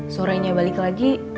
sorenya balik lagi